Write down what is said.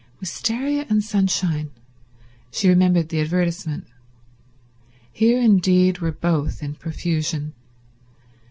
Wistaria and sunshine ... she remembered the advertisement. Here indeed were both in profusion.